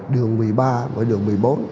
đường một mươi ba và đường một mươi bốn